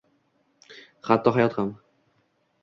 Hatto hayot ham